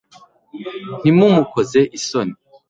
ntimumukoze isoni